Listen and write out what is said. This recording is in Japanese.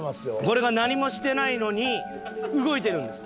これが何もしてないのに動いているんです。